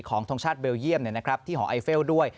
ทงชาติเบลเยี่ยมที่หอไอเฟลด้วย